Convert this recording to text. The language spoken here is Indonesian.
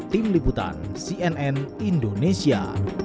tim liputan cnn indonesia